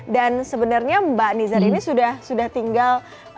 dan sebenarnya mbak nizar ini sudah tinggal